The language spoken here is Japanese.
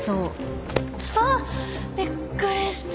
あっびっくりした。